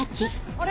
あれ？